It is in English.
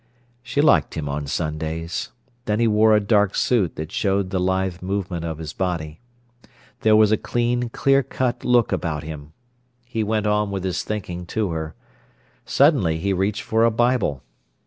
She liked him on Sundays. Then he wore a dark suit that showed the lithe movement of his body. There was a clean, clear cut look about him. He went on with his thinking to her. Suddenly he reached for a Bible.